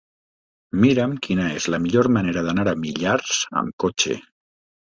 Mira'm quina és la millor manera d'anar a Millars amb cotxe.